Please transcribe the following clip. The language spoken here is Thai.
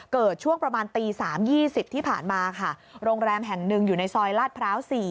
เกิดช่วงประมาณตี๓๒๐ที่ผ่านมาค่ะโรงแรมแห่งหนึ่งอยู่ในซอยลาดพร้าว๔